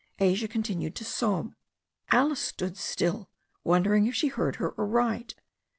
Asia continued to sob. Alice stood still, wondering if she heard her aright.